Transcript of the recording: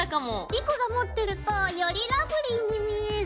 莉子が持ってるとよりラブリーに見える。